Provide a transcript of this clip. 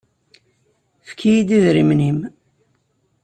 Efk-iyi-d idrimen-nnem.